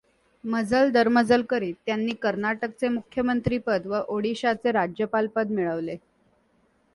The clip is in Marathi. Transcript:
मजल दरमजल करीत त्यांनी कर्नाटकचे मुख्यमंत्रीपद व ओडिशाचे राज्यपालपद मिळवले.